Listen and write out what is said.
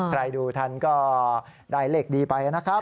ใครดูทันก็ได้เลขดีไปนะครับ